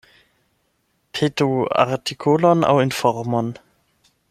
Petu artikolon aŭ informon.